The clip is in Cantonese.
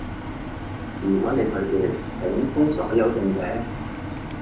如果你拒絕，請封鎖優勝者